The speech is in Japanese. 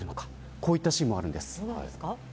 こういうシーンもあるんです。